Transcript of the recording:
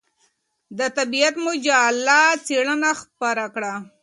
د طبعیت مجله څېړنه خپره کړه.